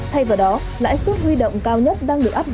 thay vào đó lãi suất huy động cao nhất đã được điều chỉnh